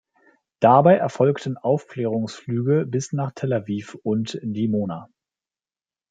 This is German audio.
Dabei erfolgten Aufklärungsflüge bis nach Tel Aviv und Dimona.